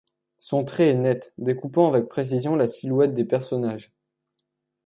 Son trait est net, découpant avec précision la silhouette des personnages.